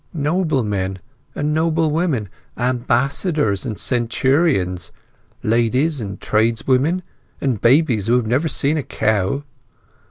"Noble men and noble women, ambassadors and centurions, ladies and tradeswomen, and babies who have never seen a cow."